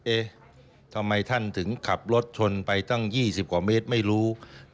เอ๊ะทำไมท่านถึงขับรถชนไปตั้ง๒๐กว่าเมตรไม่รู้